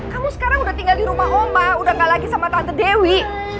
kamu sekarang udah tinggal di rumah oma udah gak lagi sama tante dewi